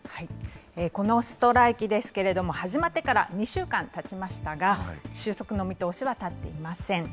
このストライキですけれども、始まってから２週間たちましたが、収束の見通しは立っていません。